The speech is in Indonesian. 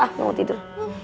ah mama tidur